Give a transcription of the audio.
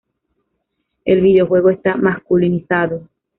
El videojuego esta masculinizado